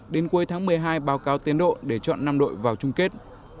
đến cuối tháng một mươi hai báo cáo tiến độ để chọn năm đội vào chung kết